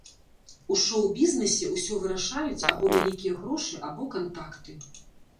У шоў-бізнэсе ўсё вырашаюць або вялікія грошы, або кантакты.